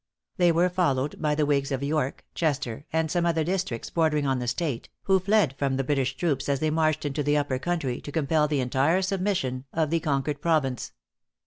They were followed by the whigs of York, Chester and some other districts bordering on that State, who fled from the British troops as they marched into the upper country to compel the entire submission of the conquered province.